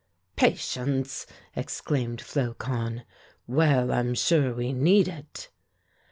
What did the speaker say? "Patience!" exclaimed Flocon. "Well, I'm sure we need it."